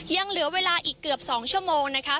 ยังเหลือเวลาอีกเกือบ๒ชั่วโมงนะคะ